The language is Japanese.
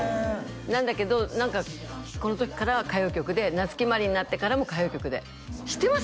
なんだけど何かこの時からは歌謡曲で夏木マリになってからも歌謡曲で知ってます？